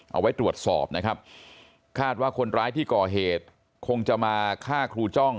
เอาไว้ตรวจสอบนะครับคาดว่าคนร้ายที่ก่อเหตุคงจะมาฆ่าครูจ้อง